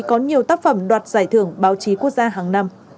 có nhiều tác phẩm đoạt giải thưởng báo chí quốc gia hàng năm